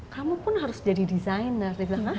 kamu pun harus jadi desainer dia bilang ah